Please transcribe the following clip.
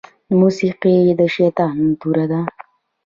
موسيقي د شيطان توره ده